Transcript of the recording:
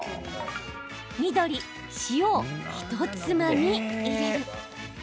緑・塩をひとつまみ入れる。